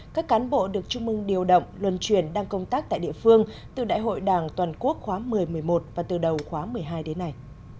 các cán bộ được trung mương điều động luân truyền đang công tác tại địa phương từ đại hội đảng toàn quốc khóa một mươi một mươi một và từ đầu khóa một mươi hai đến nay